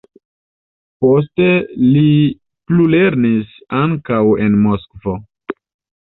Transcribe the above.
Poste li plulernis ankaŭ en Moskvo.